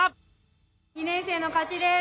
２年生の勝ちです。